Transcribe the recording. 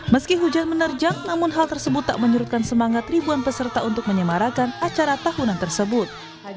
meski hujan menerjang namun hal tersebut tak menyurutkan semangat ribuan peserta untuk menyemarakan acara tahunan tersebut